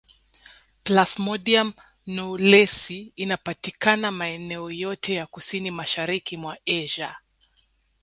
Plasmodium knowlesi anapatikana maeneo yote ya kusini mashariki mwa Asia